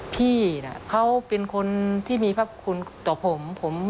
พี่เขาเป็นคนที่มีพระคุณต่อผม